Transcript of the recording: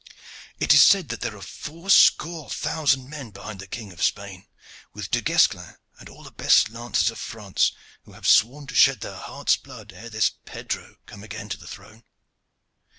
It is said that there are four score thousand men behind the King of Spain, with Du Guesclin and all the best lances of France, who have sworn to shed their heart's blood ere this Pedro come again to the throne."